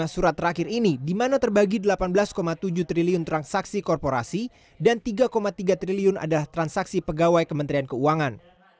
satu ratus tiga puluh lima surat terakhir ini dimana terbagi rp delapan belas tujuh triliun transaksi korporasi dan rp tiga tiga triliun adalah transaksi pegawai kementerian keuangan